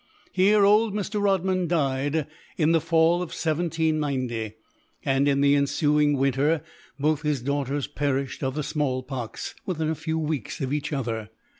Here old Mr. Rodman died, in the fall of 1790; and, in the ensuing winter, both his daughters perished of the small pox, within a few weeks of each other.